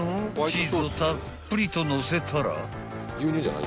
チーズをたっぷりとのせたら］